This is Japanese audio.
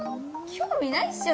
興味ないっしょ